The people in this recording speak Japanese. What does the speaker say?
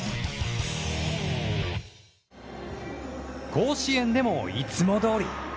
甲子園でもいつもどおり。